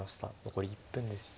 残り１分です。